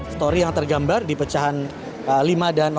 story yang tergambar di pecahan lima dan enam